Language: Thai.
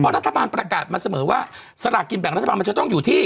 รัฐบาลประกาศมาเสมอว่าสลากกินแบ่งรัฐบาลมันจะต้องอยู่ที่